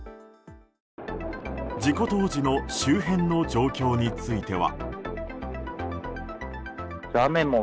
事故当時の周辺の状況については。